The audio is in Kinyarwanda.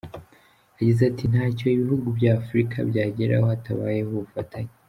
Yagize ati "Ntacyo ibihugu by’Afurika byageraho hatabayeho ubufatanye.